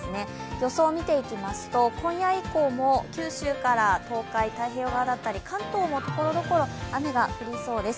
予想見ていきますと、今夜以降も東海、太平洋側だったり関東もところどころ、雨が降りそうです。